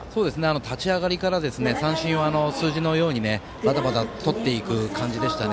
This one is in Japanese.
立ち上がりから三振を数字のようにばたばた取っていく感じでしたね。